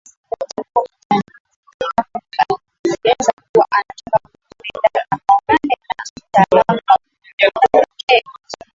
Jacob alimueleza kuwa anataka kurudi dar akaonane na mtaalamu wa ufundi waongee